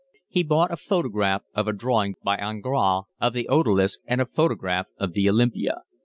He bought a photograph of a drawing by Ingres of the Odalisque and a photograph of the Olympia.